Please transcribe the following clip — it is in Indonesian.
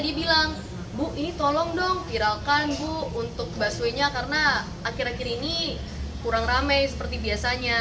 dia bilang bu ini tolong dong viralkan bu untuk busway nya karena akhir akhir ini kurang rame seperti biasanya